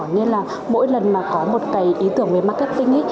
nên là mỗi lần mà có một cái ý tưởng về marketing ấy